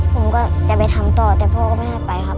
ผมก็จะไปทำต่อแต่พ่อก็ไม่ให้ไปครับ